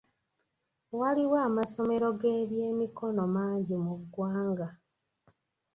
Waliwo amasomero g'ebyemikono mangi mu ggwanga.